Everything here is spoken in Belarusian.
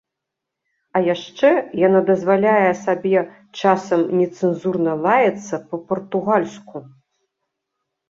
А яшчэ яна дазваляе сабе часам нецэнзурна лаяцца па-партугальску.